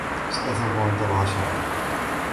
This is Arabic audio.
سأذهب عند العاشرة.